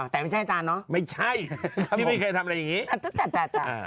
แต่ไม่ใช่อาจารย์เนอะ